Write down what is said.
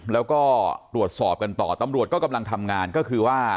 แล้วก็ตรวจสอบกันต่อตำรวจก็กำลังทำงานก็คือว่า